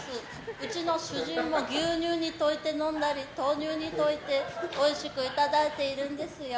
うちの主人も牛乳に溶いて飲んだり投入に溶いておいしくいただいているんですよ。